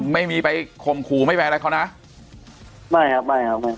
ไม่มีไปข่มขู่ไม่แปลงอะไรเขานะไม่ครับ